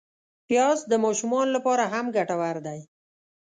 پیاز د ماشومانو له پاره هم ګټور دی